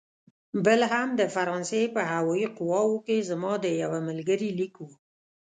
بل هم د فرانسې په هوايي قواوو کې زما د یوه ملګري لیک و.